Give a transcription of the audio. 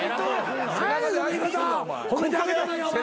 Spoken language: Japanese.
褒めてあげたのにお前。